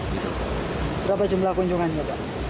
berapa jumlah kunjungan ini pak